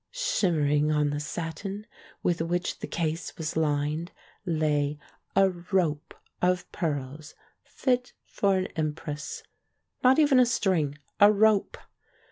Shimmering on the satin with which the case was lined lay a "rope" of pearls fit for an em press. 'Not even a string — a "rope"!